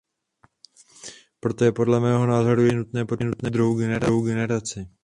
Proto je podle mého názoru jednoznačně nutné podpořit druhou generaci.